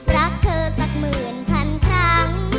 รักเธอสักหมื่นพันครั้ง